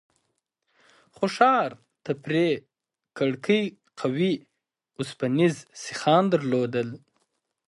خو ښار ته پرې کړکۍ قوي اوسپنيز سيخان درلودل.